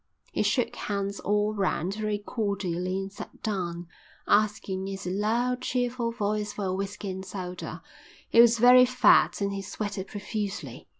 He shook hands all round very cordially and sat down, asking in his loud, cheerful voice for a whisky and soda. He was very fat and he sweated profusely.